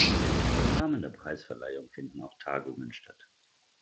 Im Rahmen der Preisverleihung finden auch Tagungen statt.